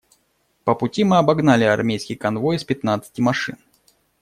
По пути мы обогнали армейский конвой из пятнадцати машин.